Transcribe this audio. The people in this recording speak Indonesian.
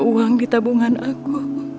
uang di tabungan aku